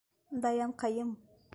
Даянҡайым!..